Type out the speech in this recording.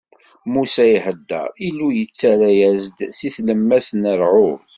Musa iheddeṛ, Illu yettarra-as-d si tlemmast n ṛṛɛud.